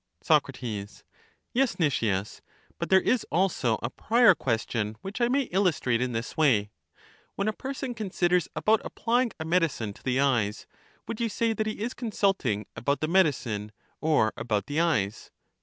Soc, Yes, Nicias ; but there is also a prior question, which I may illustrate in this way: When a person considers about applying a medicine to the eyes, would you say that he is consulting about the medi cine or about the eyes?